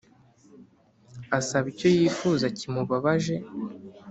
, asaba icyo yifuza kimubabaje.